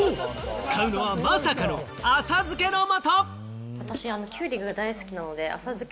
使うのは、まさかの浅漬けの素。